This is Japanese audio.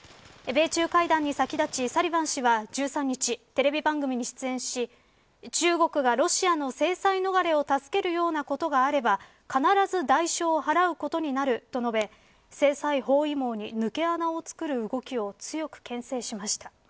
米中会談に先立ちサリバン氏は１３日テレビ番組に出演し中国が、ロシアの制裁逃れを助けるようなことがあれば必ず代償を払うことになると述べ制裁包囲網に抜け穴を作る動きを強く、けん制しました。